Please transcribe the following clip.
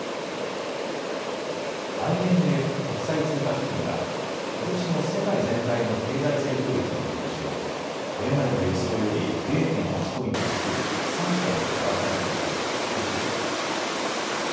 ＩＭＦ・国際通貨基金はことしの世界全体の経済成長率の見通しをこれまでの予想より０．８ポイント低い３．６％へと下方修正しました。